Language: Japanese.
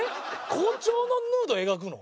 校長のヌード描くの？